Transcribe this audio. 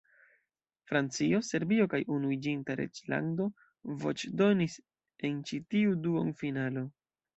Francio, Serbio kaj Unuiĝinta Reĝlando voĉdonis en ĉi tiu duonfinalo.